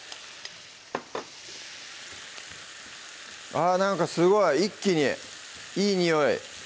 あぁなんかすごい一気にいいにおい